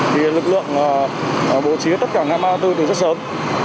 thì lực lượng bổ trí tất cả ngã ba mươi bốn từ rất sớm